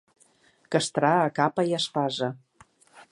Castrar a capa i espasa.